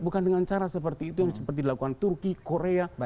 bukan dengan cara seperti itu yang seperti dilakukan turki korea